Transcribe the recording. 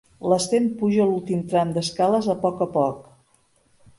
L'Sten puja l'últim tram d'escales a poc a poc.